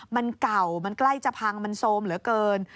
มันเก่ามันใกล้จะพังมันโซมเหลือเกิน